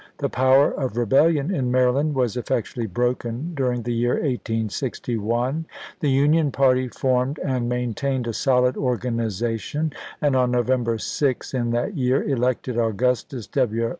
The power of rebellion in Maryland was effectually broken during the year 1861. The Union party formed and maintained a solid organization, and on No vember 6, in that year, elected Augustus W.